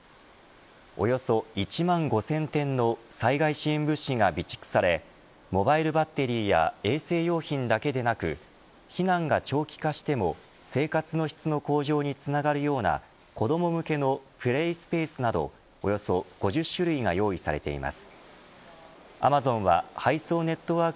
およそ１万５０００点の災害支援物資が備蓄されモバイルバッテリーや衛生用品だけでなく避難が長期化しても生活の質の向上につながるような子ども向けのプレイスペースなどおよそ５０種類が用意されています。